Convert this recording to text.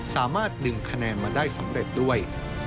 สามารถดึงคะแนนมาได้สำเร็จด้วย